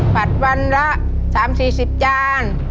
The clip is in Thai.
ผัดวันละ๓๔๐จาน